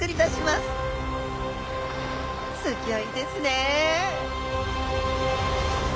すギョいですね！